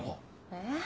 えっ？